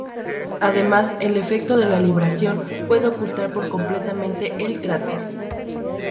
Además, el efecto de la libración puede ocultar por completamente el cráter.